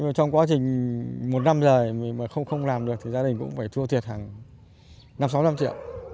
nhưng trong quá trình một năm rời mà không làm được thì gia đình cũng phải thua thiệt hàng năm sáu trăm linh triệu